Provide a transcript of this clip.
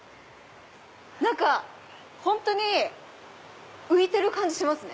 何か本当に浮いてる感じしますね。